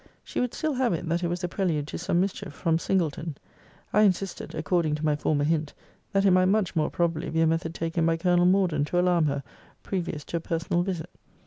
She would still have it that it was the prelude to some mischief from Singleton. I insisted (according to my former hint) that it might much more probably be a method taken by Colonel Morden to alarm her, previous to a personal visit.